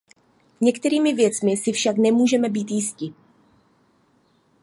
Některými věcmi si však můžeme být jisti.